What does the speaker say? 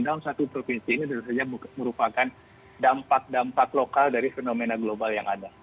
dalam satu provinsi ini tentu saja merupakan dampak dampak lokal dari fenomena global yang ada